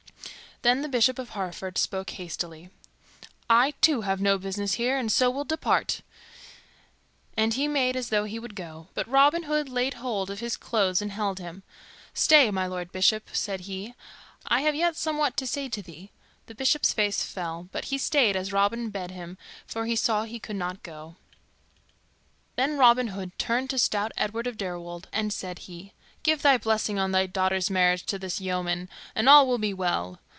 Then the Bishop of Hereford spoke hastily, "I, too, have no business here, and so will depart." And he made as though he would go. But Robin Hood laid hold of his clothes and held him. "Stay, my Lord Bishop," said he, "I have yet somewhat to say to thee." The Bishop's face fell, but he stayed as Robin bade him, for he saw he could not go. Then Robin Hood turned to stout Edward of Deirwold, and said he, "Give thy blessing on thy daughter's marriage to this yeoman, and all will be well.